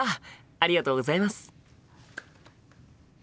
ありがとうございます。